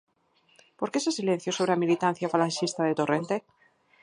Por que ese silencio sobre a militancia falanxista de Torrente?